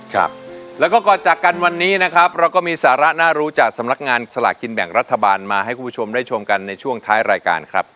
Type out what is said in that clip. ครับแล้วก็ก่อนจากกันวันนี้นะครับเราก็มีสาระน่ารู้จากสำนักงานสลากกินแบ่งรัฐบาลมาให้คุณผู้ชมได้ชมกันในช่วงท้ายรายการครับ